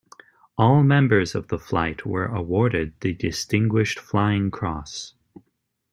All members of the flight were awarded the Distinguished Flying Cross.